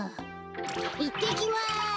いってきます。